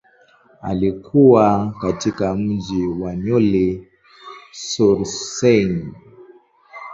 Alikua katika mji wa Neuilly-sur-Seine.